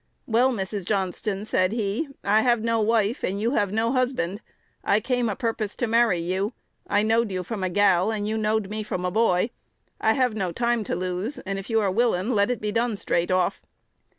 "Well, Miss Johnston," said he, "I have no wife, and you have no husband. I came a purpose to marry you: I knowed you from a gal, and you knowed me from a boy. I have no time to lose; and, if you are willin', let it be done straight off."